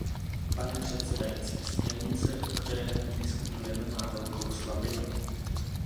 Pane předsedající, směrnice, o které nyní diskutujeme, má velkou slabinu.